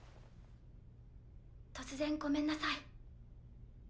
・突然ごめんなさい。